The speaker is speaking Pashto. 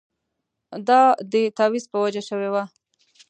دا د تاویز په وجه شوې وه.